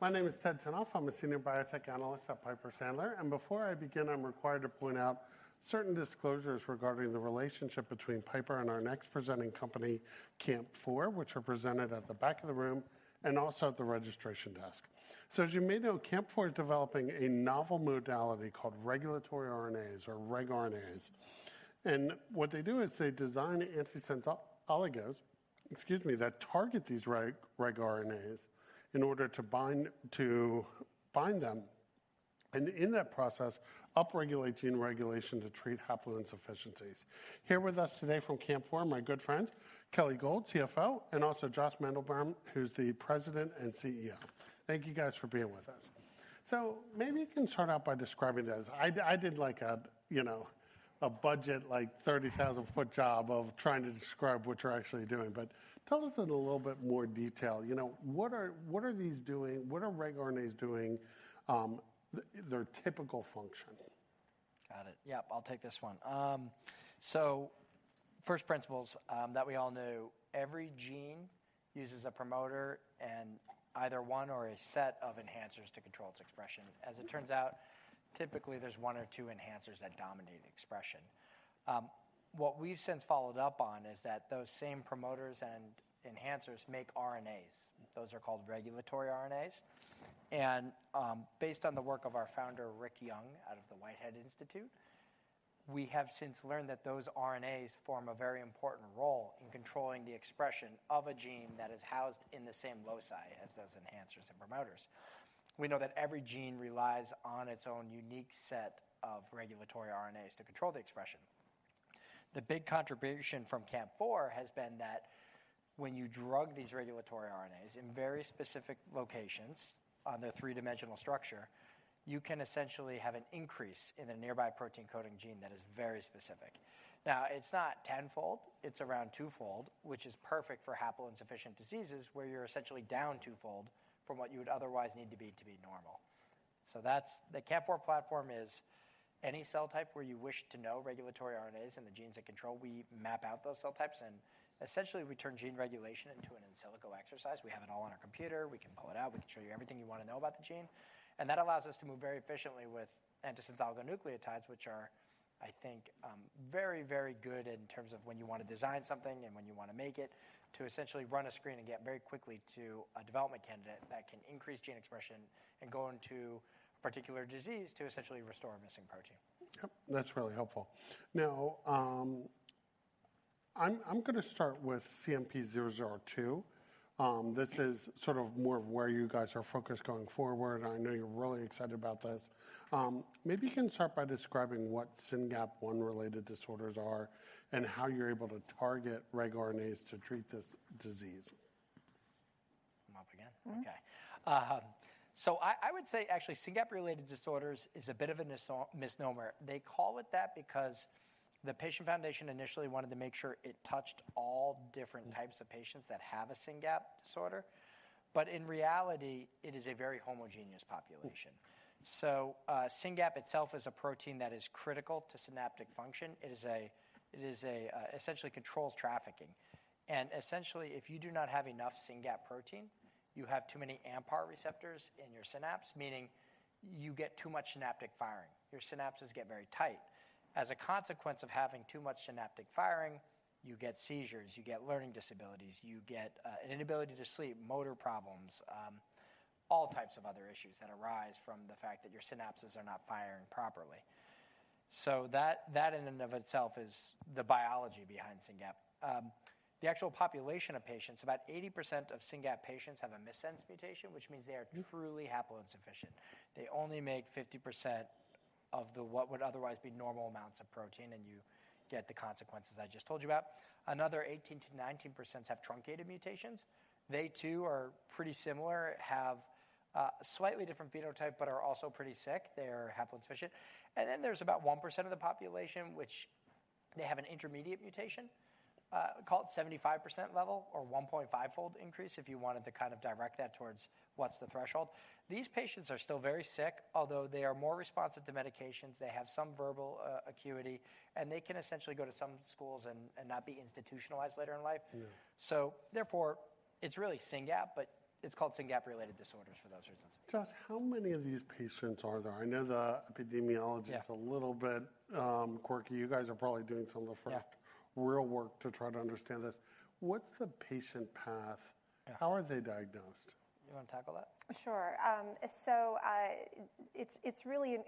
My name is Ted Tenthoff. I'm a senior biotech analyst at Piper Sandler, and before I begin, I'm required to point out certain disclosures regarding the relationship between Piper and our next presenting company, CAMP4, which are presented at the back of the room and also at the registration desk, so, as you may know, CAMP4 is developing a novel modality called regulatory RNAs, or regRNAs, and what they do is they design antisense oligos, excuse me, that target these regRNAs in order to bind them, and in that process, upregulate gene regulation to treat haploinsufficiencies. Here with us today from CAMP4 are my good friends, Kelly Gold, CFO, and also Josh Mandel-Brehm, who's the President and CEO. Thank you, guys, for being with us, so maybe you can start out by describing this. I did like a, you know, a budget, like 30,000-foot job of trying to describe what you're actually doing. But tell us in a little bit more detail, you know, what are these doing? What are regRNAs doing? Their typical function. Got it. Yep, I'll take this one. So first principles that we all know, every gene uses a promoter and either one or a set of enhancers to control its expression. As it turns out, typically there's one or two enhancers that dominate expression. What we've since followed up on is that those same promoters and enhancers make RNAs. Those are called regulatory RNAs. And based on the work of our founder, Rick Young, out of the Whitehead Institute, we have since learned that those RNAs form a very important role in controlling the expression of a gene that is housed in the same loci as those enhancers and promoters. We know that every gene relies on its own unique set of regulatory RNAs to control the expression. The big contribution from CAMP4 has been that when you drug these regulatory RNAs in very specific locations on their three-dimensional structure, you can essentially have an increase in a nearby protein-coding gene that is very specific. Now, it's not tenfold. It's around twofold, which is perfect for haploinsufficient diseases where you're essentially down twofold from what you would otherwise need to be to be normal. So that's the CAMP4 platform is any cell type where you wish to know regulatory RNAs and the genes that control. We map out those cell types, and essentially we turn gene regulation into an analytical exercise. We have it all on our computer. We can pull it out. We can show you everything you want to know about the gene. That allows us to move very efficiently with antisense oligonucleotides, which are, I think, very, very good in terms of when you want to design something and when you want to make it to essentially run a screen and get very quickly to a development candidate that can increase gene expression and go into a particular disease to essentially restore a missing protein. Yep, that's really helpful. Now, I'm going to start with CMP-002. This is sort of more of where you guys are focused going forward. I know you're really excited about this. Maybe you can start by describing what SYNGAP1-related disorders are and how you're able to target regRNAs to treat this disease. Come up again. Okay. So I would say, actually, SYNGAP1-related disorders is a bit of a misnomer. They call it that because the SynGAP Research Fund initially wanted to make sure it touched all different types of patients that have a SYNGAP1 disorder. But in reality, it is a very homogeneous population. So SYNGAP1 itself is a protein that is critical to synaptic function. It essentially controls trafficking. And essentially, if you do not have enough SYNGAP1 protein, you have too many AMPA receptors in your synapse, meaning you get too much synaptic firing. Your synapses get very tight. As a consequence of having too much synaptic firing, you get seizures, you get learning disabilities, you get an inability to sleep, motor problems, all types of other issues that arise from the fact that your synapses are not firing properly. That in and of itself is the biology behind SYNGAP1. The actual population of patients, about 80% of SYNGAP1 patients have a missense mutation, which means they are truly haploinsufficient. They only make 50% of what would otherwise be normal amounts of protein, and you get the consequences I just told you about. Another 18%-19% have truncated mutations. They, too, are pretty similar, have a slightly different phenotype, but are also pretty sick. They are haploinsufficient. And then there's about 1% of the population which they have an intermediate mutation called 75% level or 1.5-fold increase if you wanted to kind of direct that towards what's the threshold. These patients are still very sick, although they are more responsive to medications. They have some verbal acuity, and they can essentially go to some schools and not be institutionalized later in life. So therefore, it's really SYNGAP1, but it's called SYNGAP1-related disorders for those reasons. Josh, how many of these patients are there? I know the epidemiology is a little bit quirky. You guys are probably doing some of the first real work to try to understand this. What's the patient path? How are they diagnosed? You want to tackle that? Sure. So it's really in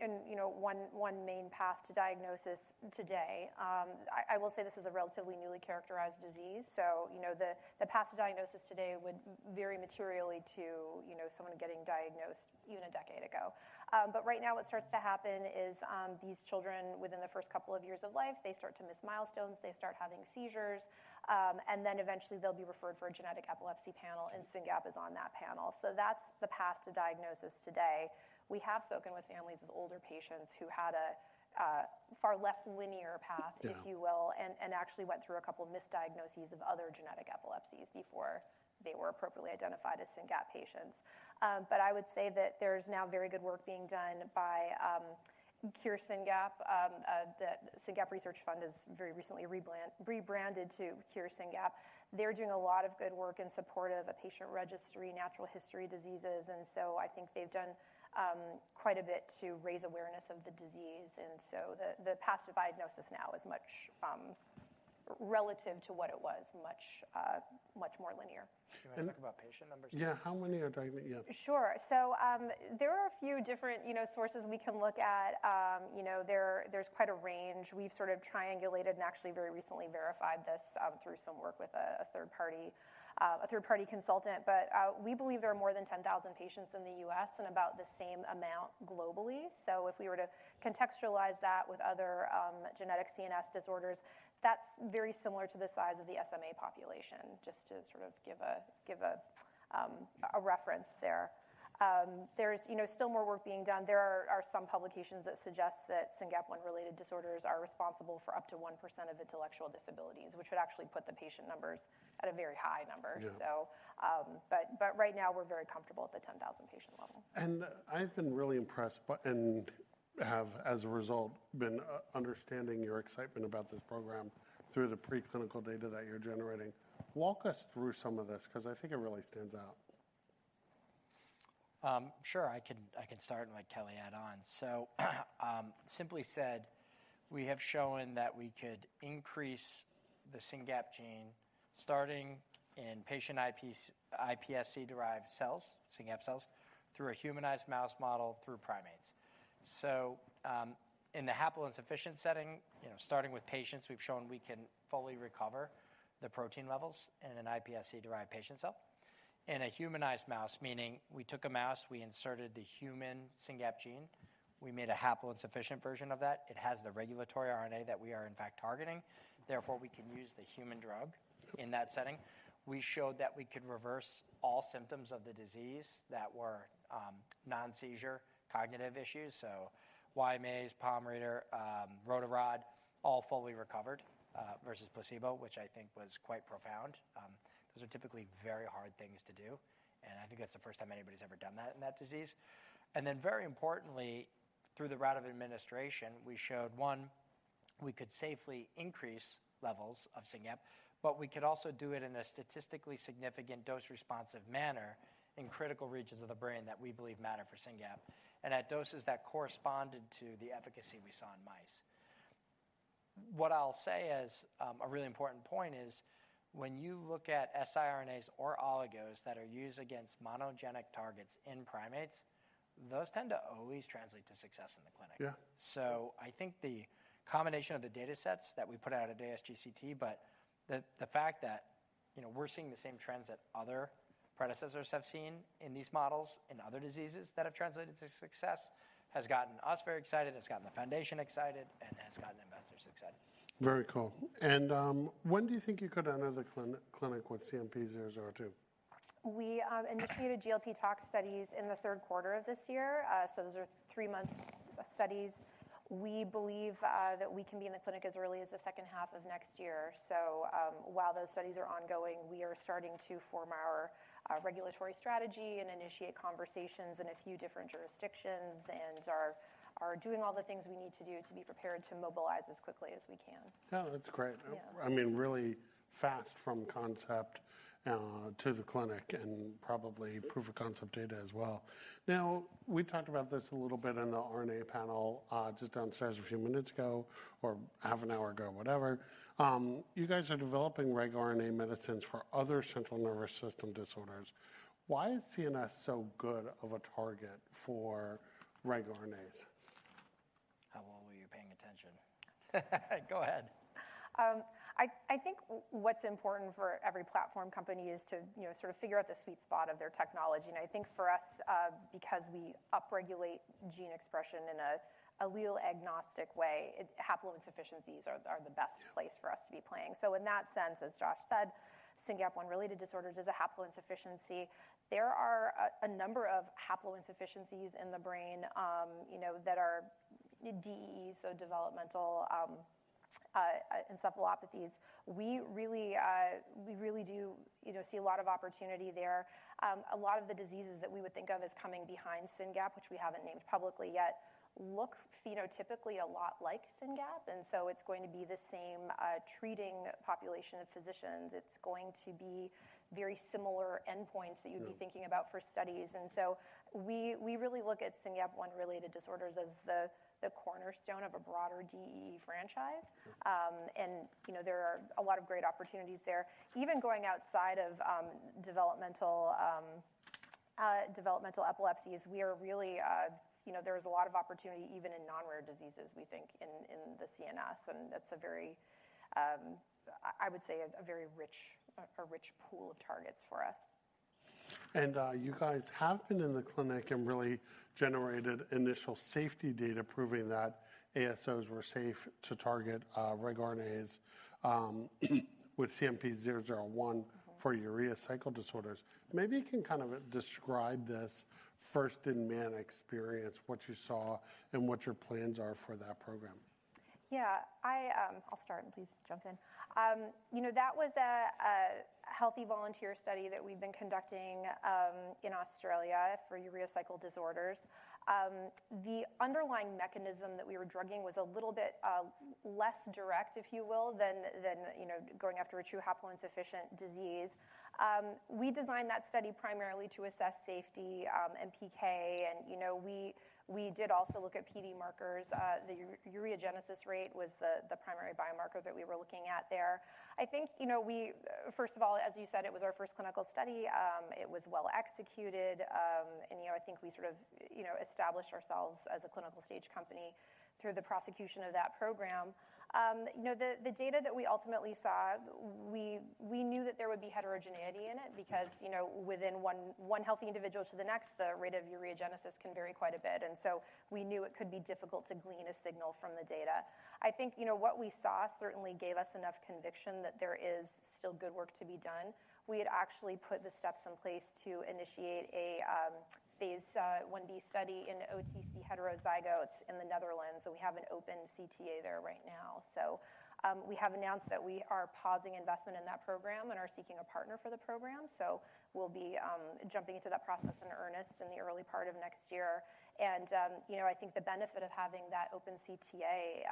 one main path to diagnosis today. I will say this is a relatively newly characterized disease. So, you know, the path to diagnosis today would vary materially to someone getting diagnosed even a decade ago. But right now, what starts to happen is these children within the first couple of years of life, they start to miss milestones, they start having seizures, and then eventually they'll be referred for a genetic epilepsy panel, and SYNGAP is on that panel. So that's the path to diagnosis today. We have spoken with families of older patients who had a far less linear path, if you will, and actually went through a couple of misdiagnoses of other genetic epilepsies before they were appropriately identified as SYNGAP patients. But I would say that there's now very good work being done by Cure SYNGAP1. The SynGAP Research Fund has very recently rebranded to Cure SYNGAP1. They're doing a lot of good work in support of a patient registry, natural history diseases, and so I think they've done quite a bit to raise awareness of the disease, and so the path to diagnosis now is much relative to what it was, much more linear. Can I talk about patient numbers? Yeah, how many are diagnosed? Sure. So there are a few different sources we can look at. You know, there's quite a range. We've sort of triangulated and actually very recently verified this through some work with a third-party consultant. But we believe there are more than 10,000 patients in the U.S. and about the same amount globally. So if we were to contextualize that with other genetic CNS disorders, that's very similar to the size of the SMA population, just to sort of give a reference there. There's still more work being done. There are some publications that suggest that SYNGAP1-related disorders are responsible for up to 1% of intellectual disabilities, which would actually put the patient numbers at a very high number. But right now, we're very comfortable at the 10,000-patient level. I've been really impressed and have, as a result, been understanding your excitement about this program through the preclinical data that you're generating. Walk us through some of this because I think it really stands out. Sure, I can start and let Kelly add on. So simply said, we have shown that we could increase the SYNGAP gene starting in patient iPSC-derived cells, SYNGAP cells, through a humanized mouse model through primates. So in the haploinsufficient setting, you know, starting with patients, we've shown we can fully recover the protein levels in an iPSC-derived patient cell. In a humanized mouse, meaning we took a mouse, we inserted the human SYNGAP gene, we made a haploinsufficient version of that. It has the regulatory RNA that we are, in fact, targeting. Therefore, we can use the human drug in that setting. We showed that we could reverse all symptoms of the disease that were non-seizure cognitive issues. So Y-maze, Porsolt, Rotarod, all fully recovered versus placebo, which I think was quite profound. Those are typically very hard things to do. I think that's the first time anybody's ever done that in that disease. Then very importantly, through the route of administration, we showed, one, we could safely increase levels of SYNGAP, but we could also do it in a statistically significant dose-responsive manner in critical regions of the brain that we believe matter for SYNGAP, and at doses that corresponded to the efficacy we saw in mice. What I'll say as a really important point is when you look at siRNAs or oligos that are used against monogenic targets in primates, those tend to always translate to success in the clinic. So I think the combination of the data sets that we put out at ASGCT, but the fact that we're seeing the same trends that other predecessors have seen in these models in other diseases that have translated to success has gotten us very excited, has gotten the foundation excited, and has gotten investors excited. Very cool. And when do you think you could enter the clinic with CMP-002? We initiated GLP-tox studies in the third quarter of this year. So those are three-month studies. We believe that we can be in the clinic as early as the second half of next year. So while those studies are ongoing, we are starting to form our regulatory strategy and initiate conversations in a few different jurisdictions and are doing all the things we need to do to be prepared to mobilize as quickly as we can. That's great. I mean, really fast from concept to the clinic and probably proof of concept data as well. Now, we talked about this a little bit in the RNA panel just downstairs a few minutes ago or half an hour ago, whatever. You guys are developing regRNA medicines for other central nervous system disorders. Why is CNS so good of a target for regRNAs? How well were you paying attention? Go ahead. I think what's important for every platform company is to sort of figure out the sweet spot of their technology. And I think for us, because we upregulate gene expression in an allele-agnostic way, haploinsufficiencies are the best place for us to be playing. So in that sense, as Josh said, SYNGAP1-related disorders is a haploinsufficiency. There are a number of haploinsufficiencies in the brain that are DEEs, so developmental and epileptic encephalopathies. We really do see a lot of opportunity there. A lot of the diseases that we would think of as coming behind SYNGAP, which we haven't named publicly yet, look phenotypically a lot like SYNGAP. And so it's going to be the same treating population of physicians. It's going to be very similar endpoints that you'd be thinking about for studies. And so we really look at SYNGAP1-related disorders as the cornerstone of a broader DEE franchise. There are a lot of great opportunities there. Even going outside of developmental epilepsies, there is a lot of opportunity even in non-rare diseases, we think, in the CNS. That's a very, I would say, a very rich pool of targets for us. You guys have been in the clinic and really generated initial safety data proving that ASOs were safe to target regRNAs with CMP-001 for urea cycle disorders. Maybe you can kind of describe this first-in-man experience, what you saw, and what your plans are for that program. Yeah, I'll start and please jump in. You know, that was a healthy volunteer study that we've been conducting in Australia for urea cycle disorders. The underlying mechanism that we were drugging was a little bit less direct, if you will, than going after a true haploinsufficient disease. We designed that study primarily to assess safety and PK. And we did also look at PD markers. The ureagenesis rate was the primary biomarker that we were looking at there. I think, first of all, as you said, it was our first clinical study. It was well executed. And I think we sort of established ourselves as a clinical stage company through the prosecution of that program. The data that we ultimately saw, we knew that there would be heterogeneity in it because within one healthy individual to the next, the rate of ureagenesis can vary quite a bit. And so we knew it could be difficult to glean a signal from the data. I think what we saw certainly gave us enough conviction that there is still good work to be done. We had actually put the steps in place to initiate a phase 1b study in OTC heterozygotes in the Netherlands. So we have an open CTA there right now. So we have announced that we are pausing investment in that program and are seeking a partner for the program. So we'll be jumping into that process in earnest in the early part of next year. And I think the benefit of having that open CTA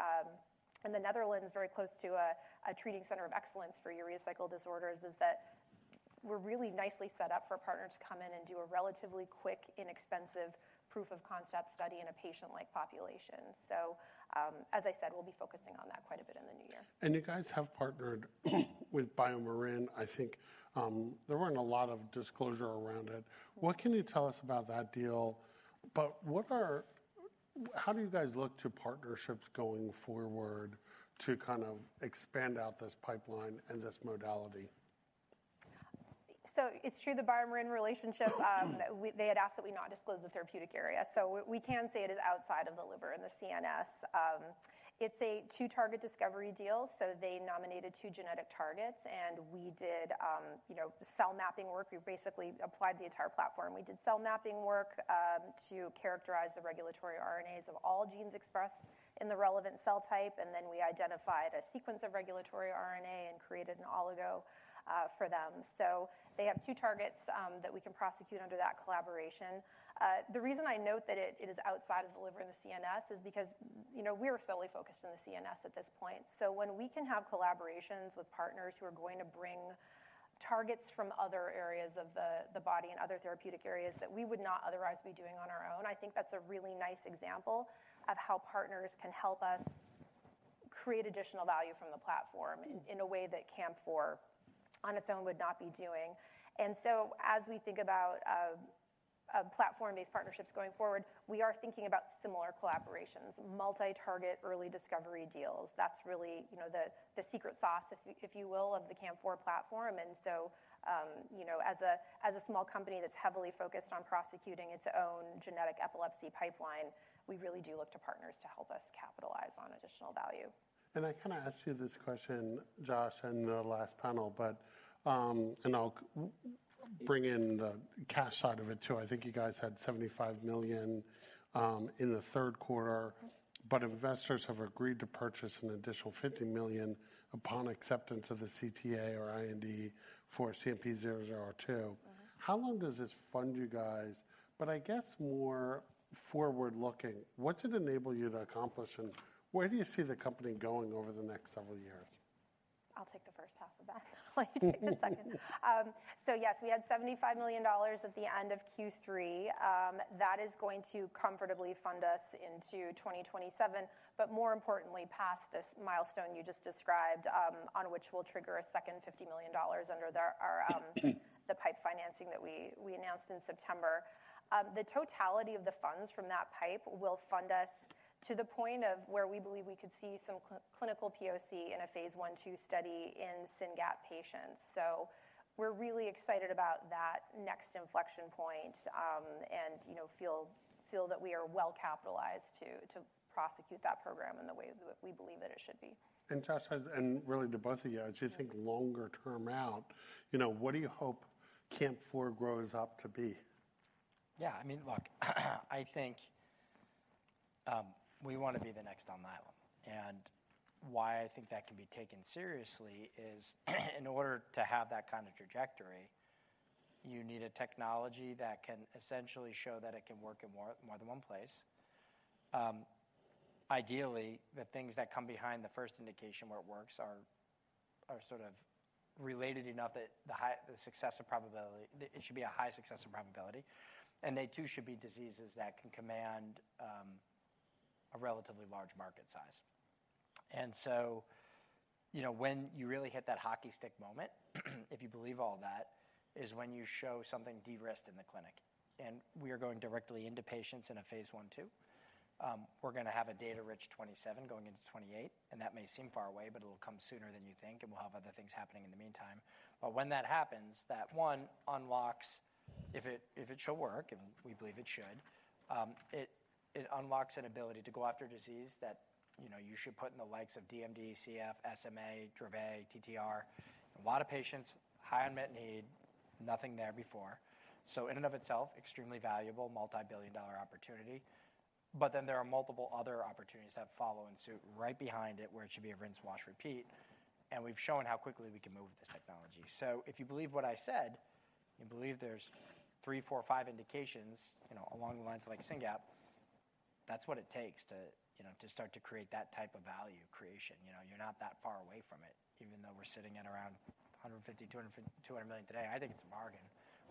in the Netherlands, very close to a treating center of excellence for urea cycle disorders, is that we're really nicely set up for a partner to come in and do a relatively quick, inexpensive proof of concept study in a patient-like population. So as I said, we'll be focusing on that quite a bit in the new year. You guys have partnered with BioMarin. I think there weren't a lot of disclosure around it. What can you tell us about that deal? How do you guys look to partnerships going forward to kind of expand out this pipeline and this modality? It's true, the BioMarin relationship. They had asked that we not disclose the therapeutic area. We can say it is outside of the liver and the CNS. It's a two-target discovery deal. They nominated two genetic targets, and we did cell mapping work. We basically applied the entire platform. We did cell mapping work to characterize the regulatory RNAs of all genes expressed in the relevant cell type. Then we identified a sequence of regulatory RNA and created an oligo for them. They have two targets that we can prosecute under that collaboration. The reason I note that it is outside of the liver and the CNS is because we are solely focused on the CNS at this point. So when we can have collaborations with partners who are going to bring targets from other areas of the body and other therapeutic areas that we would not otherwise be doing on our own, I think that's a really nice example of how partners can help us create additional value from the platform in a way that CAMP4 on its own would not be doing. And so as we think about platform-based partnerships going forward, we are thinking about similar collaborations, multi-target early discovery deals. That's really the secret sauce, if you will, of the CAMP4 platform. And so as a small company that's heavily focused on prosecuting its own genetic epilepsy pipeline, we really do look to partners to help us capitalize on additional value. I kind of asked you this question, Josh, in the last panel, but I'll bring in the cash side of it too. I think you guys had $75 million in the third quarter, but investors have agreed to purchase an additional $50 million upon acceptance of the CTA or IND for CMP-002. How long does this fund you guys? I guess more forward-looking, what's it enable you to accomplish, and where do you see the company going over the next several years? I'll take the first half of that. I'll let you take the second. So yes, we had $75 million at the end of Q3. That is going to comfortably fund us into 2027, but more importantly, past this milestone you just described, on which we'll trigger a second $50 million under the PIPE financing that we announced in September. The totality of the funds from that PIPE will fund us to the point of where we believe we could see some clinical POC in a phase 1/2 study in SYNGAP patients. So we're really excited about that next inflection point and feel that we are well capitalized to prosecute that program in the way that we believe that it should be. Josh, and really to both of you, as you think longer term out, what do you hope CAMP4 grows up to be? Yeah, I mean, look, I think we want to be the next on that one, and why I think that can be taken seriously is in order to have that kind of trajectory, you need a technology that can essentially show that it can work in more than one place. Ideally, the things that come behind the first indication where it works are sort of related enough that the probability of success, it should be a high probability of success. And they too should be diseases that can command a relatively large market size, and so when you really hit that hockey stick moment, if you believe all that, is when you show something de-risked in the clinic, and we are going directly into patients in a phase 1/2. We're going to have a data-rich 2027 going into 2028. That may seem far away, but it'll come sooner than you think, and we'll have other things happening in the meantime. But when that happens, that one unlocks, if it should work, and we believe it should, it unlocks an ability to go after diseases that you should put in the likes of DMD, CF, SMA, Dravet, TTR. A lot of patients, high unmet need, nothing there before. So in and of itself, extremely valuable multi-billion dollar opportunity. But then there are multiple other opportunities that follow suit right behind it where it should be a rinse-wash-repeat. And we've shown how quickly we can move with this technology. So if you believe what I said, you believe there's three, four, five indications along the lines of like SYNGAP, that's what it takes to start to create that type of value creation. You're not that far away from it, even though we're sitting at around $150-$200 million today. I think it's a bargain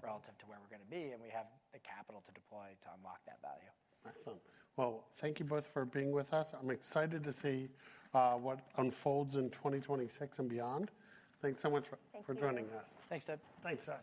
relative to where we're going to be, and we have the capital to deploy to unlock that value. Excellent. Well, thank you both for being with us. I'm excited to see what unfolds in 2026 and beyond. Thanks so much for joining us. Thanks, Ted. Thanks, Josh.